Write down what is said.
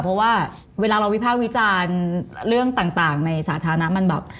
เพราะว่าเวลาเราวิภาควิจารณ์เรื่องต่างในสาธารณะมันแบบ